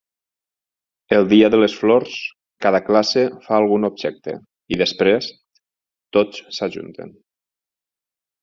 El dia de les flors, cada classe fa algun objecte i després, tots s'ajunten.